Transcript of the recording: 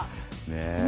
ねえ。